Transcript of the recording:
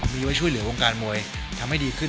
มีไว้ช่วยเหลือวงการมวยทำให้ดีขึ้น